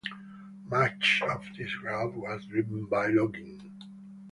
Much of this growth was driven by logging.